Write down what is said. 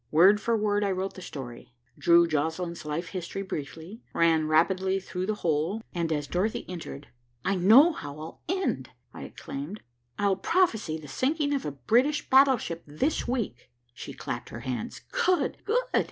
Word for word I wrote the story, drew Joslinn's life history briefly, ran rapidly through the whole, and as Dorothy entered, "I know how I'll end," I exclaimed. "I'll prophesy the sinking of a British battleship this week." She clapped her hands. "Good! good!"